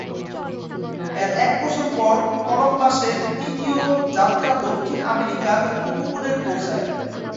এর এক বছর পরে কলম্বাসের তৃতীয় যাত্রা দক্ষিণ আমেরিকার উপকূলের পৌঁছায়।